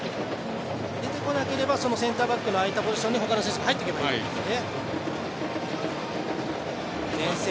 出てこなければセンターバックの空いたポジションにほかの人たち入っていけばいいんですね。